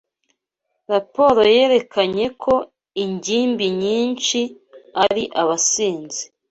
Raporo yerekanye ko ingimbi nyinshi ari abasinzi.